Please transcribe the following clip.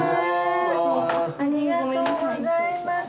ありがとうございます。